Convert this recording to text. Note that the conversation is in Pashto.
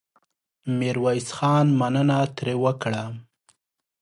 ميرويس خان مننه ترې وکړه.